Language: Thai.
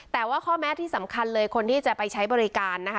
แต่ว่าข้อแม้ที่สำคัญเลยคนที่จะไปใช้บริการนะคะ